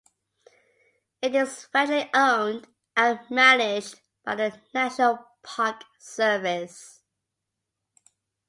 It is federally owned and managed by the National Park Service.